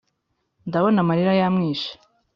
ndabona amarira yamwishe